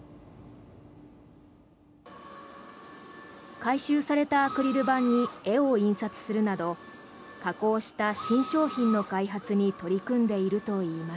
回収されたアクリル板に絵を印刷するなど加工した新商品の開発に取り組んでいるといいます。